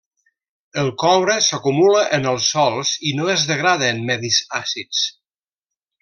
El coure s'acumula en els sòls i no es degrada en medis àcids.